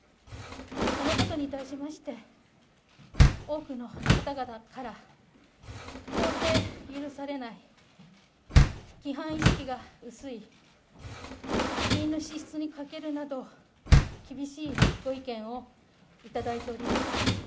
このことに対しまして、多くの方々から、到底許されない、規範意識が薄い、議員の資質に欠けるなど、厳しいご意見を頂いております。